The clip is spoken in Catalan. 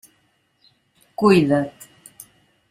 Cuida't.